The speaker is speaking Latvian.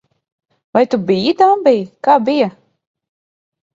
Vai tu biji dambī? Kā bija?